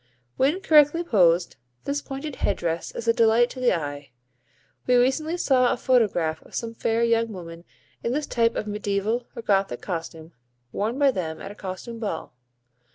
When correctly posed, this pointed head dress is a delight to the eye. We recently saw a photograph of some fair young women in this type of Mediæval or Gothic costume worn by them at a costume ball.